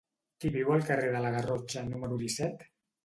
Qui viu al carrer de la Garrotxa número disset?